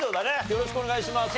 よろしくお願いします。